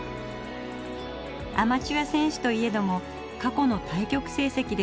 アマチュア選手といえども過去の対局成績ではほぼごかく。